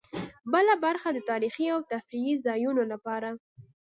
بله برخه د تاريخي او تفريحي ځایونو لپاره.